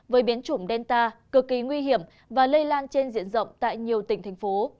với biến chủng delta cực kỳ nguy hiểm và lây lan trên diện rộng tại nhiều tỉnh thành phố